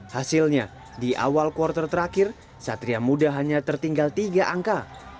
hasilnya di awal kuartal terakhir satria muda hanya tertinggal tiga angka